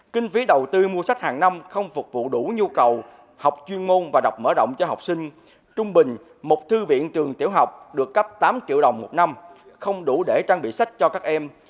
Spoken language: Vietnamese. kinh phí đầu tư mua sách hàng năm không phục vụ đủ nhu cầu học chuyên môn và đọc mở động cho học sinh trung bình một thư viện trường tiểu học được cấp tám triệu đồng một năm không đủ để trang bị sách cho các em